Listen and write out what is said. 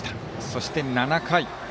そして、７回。